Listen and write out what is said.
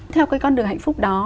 theo cái con đường hạnh phúc đó